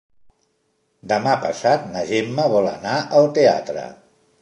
Demà passat na Gemma vol anar al teatre.